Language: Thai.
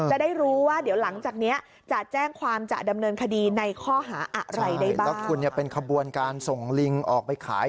จะได้รู้ว่าเดี๋ยวหลังจากเนี้ยจะแจ้งความจะดำเนินคดีในข้อหาอะไรได้บ้างแล้วคุณเนี่ยเป็นขบวนการส่งลิงออกไปขาย